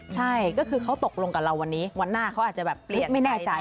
ใช่ก็คือเขาตกลงกับเราวันนี้วันหน้าเขาอาจจะแบบไม่แน่ใจ